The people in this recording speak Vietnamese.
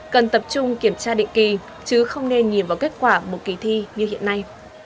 cần tập trung kiểm tra định kỳ chứ không nên nhìn vào kết quả một kỳ thi như hiện nay